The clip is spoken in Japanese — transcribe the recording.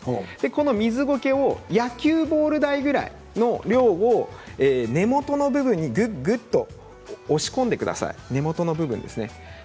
この水ゴケを野球ボール大ぐらいの量を根元の部分にぐっぐっと押し込んでください。